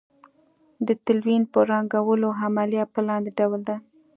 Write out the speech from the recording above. د تلوین یا رنګولو عملیه په لاندې ډول ده.